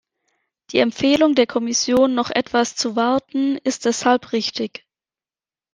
Die Empfehlung der Kommission, noch etwas zu warten, ist deshalb richtig.